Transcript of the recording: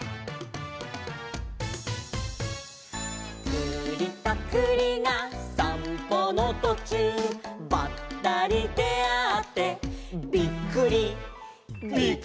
「くりとくりがさんぽのとちゅう」「ばったりであってびっくり」